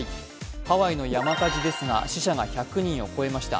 ハワイの山火事ですが死者が１００人を超えました。